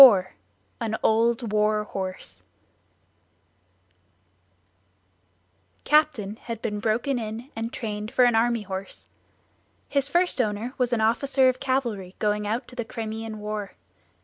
34 An Old War Horse Captain had been broken in and trained for an army horse; his first owner was an officer of cavalry going out to the Crimean war.